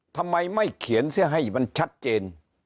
ทำไมไม่เขียนเสียให้มันชัดเจน